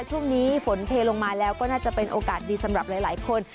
ช่วงนี้ฝนเทลงมาแล้วก็น่าจะเป็นโอกาสดีสำหรับหลายคน